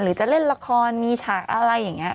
จะเล่นละครมีฉากอะไรอย่างนี้